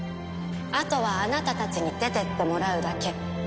あとはあなたたちに出てってもらうだけ。